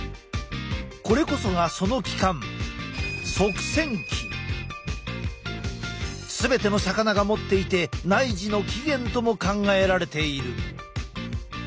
これこそがその器官全ての魚が持っていて内耳の起源とも考えられている。